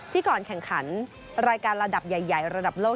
ก่อนแข่งขันรายการระดับใหญ่ระดับโลก